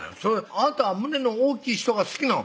あなた胸の大きい人が好きなん？